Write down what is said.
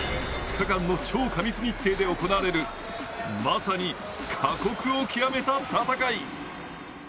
２日間の超過密日程で行われるまさに過酷を極めた戦い。